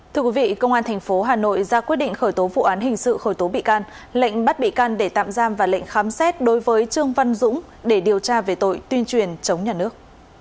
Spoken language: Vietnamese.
thưa quý vị công an tp hà nội ra quyết định khởi tố vụ án hình sự khởi tố bị can lệnh bắt bị can để tạm giam và lệnh khám xét đối với trương văn dũng để điều tra về tội tuyên truyền chống nhà nước